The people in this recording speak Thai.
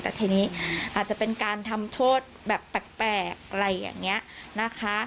แต่ทีนี้อาจจะเป็นการทำโทษแบบแปลกอะไรอย่างนี้นะคะ